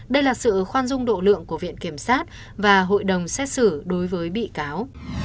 đây là sự khoan dung độ lượng của viện kiểm sát và hội đồng xét xử đối với bị cáo